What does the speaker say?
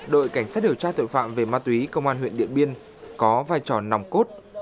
đội cảnh sát điều tra tội phạm về ma túy công an huyện điện biên có vai trò nòng cốt